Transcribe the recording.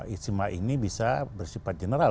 istimewa ini bisa bersifat general